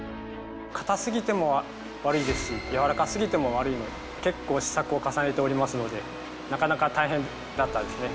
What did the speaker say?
硬過ぎても悪いですし柔らか過ぎても悪いので結構試作を重ねておりますのでなかなか大変だったですね。